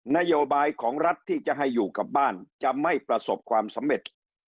นโยบายของรัฐที่จะให้อยู่กับบ้านจะไม่ประสบความสำเร็จ